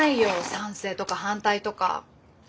賛成とか反対とか。